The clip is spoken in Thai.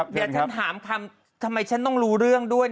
เดี๋ยวฉันถามคำทำไมฉันต้องรู้เรื่องด้วย